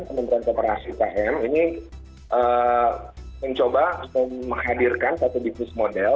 kemudian operasi umkm ini mencoba menghadirkan satu divis model